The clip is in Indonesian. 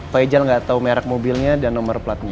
pak ijal gak tau merek mobilnya dan nomor platnya